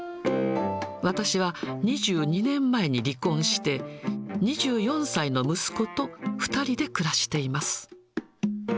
私は２２年前に離婚して、２４歳の息子と２人で暮らしています。